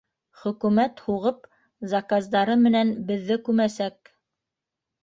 Хөкүмәт һуғып: заказдары менән беҙҙе күмәсәк.